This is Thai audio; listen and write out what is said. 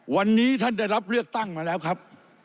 วันนี้ท่านได้รับเลือกตั้งมาแล้วครับ